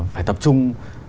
phải tập trung